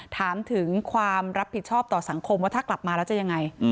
ถามถึงความรับผิดชอบต่อสังคมว่าถ้ากลับมาแล้วจะยังไง